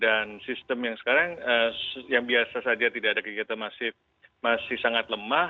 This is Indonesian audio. sistem yang sekarang yang biasa saja tidak ada kegiatan masih sangat lemah